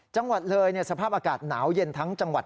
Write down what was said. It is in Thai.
จังหวัดเลยสภาพอากาศหนาวเย็นทั้งจังหวัด